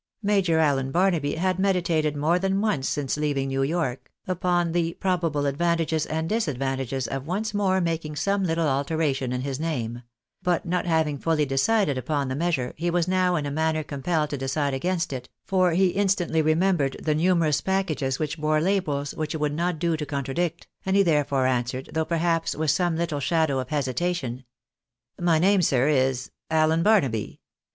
" Major Allen Barnaby had meditated more than once since leaving New York upon the probable advantages and disadvant ages of once more making some Uttle alteration in his name ; but not having fully decided upon the measure, he was now in a man ner compelled to decide against it, for he instantly remembered the numerous packages which bore labels which it would not do to contradict, and he therefore answered, though perhaps with some little shadow of hesitation —" My name, sir, is Allen Barnaby.